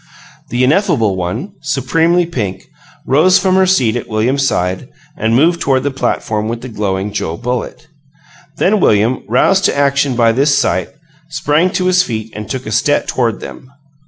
The ineffable One, supremely pink, rose from her seat at William's side and moved toward the platform with the glowing Joe Bullitt. Then William, roused to action by this sight, sprang to his feet and took a step toward them.